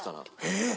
えっ！